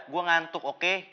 gue ngantuk oke